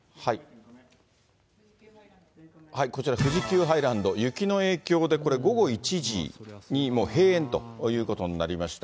こちら、富士急ハイランド、雪の影響で、これ午後１時に、もう閉園ということになりました。